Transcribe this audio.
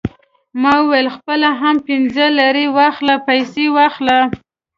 ما وویل: خپله هم پنځه لېرې واخله، پیسې واخله.